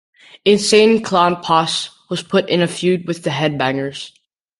Insane Clown Posse was put in a feud with The Headbangers.